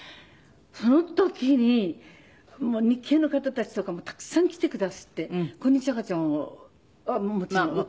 その時に日系の方たちとかもたくさん来てくだすって『こんにちは赤ちゃん』をもちろん歌った。